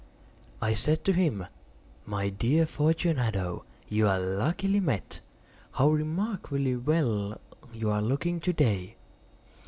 I said to him: "My dear Fortunato, you are luckily met. How remarkably well you are looking to day!